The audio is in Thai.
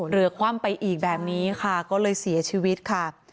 คว่ำไปอีกแบบนี้ค่ะก็เลยเสียชีวิตค่ะ